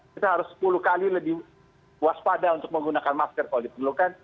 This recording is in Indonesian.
kita harus sepuluh kali lebih waspada untuk menggunakan masker kalau diperlukan